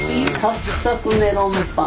サクサクメロンパン。